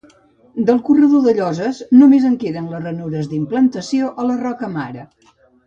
Del corredor de lloses només en queden les ranures d'implantació a la roca mare.